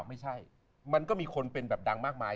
ไม่ใช่มันก็มีคนเป็นแบบดังมากมาย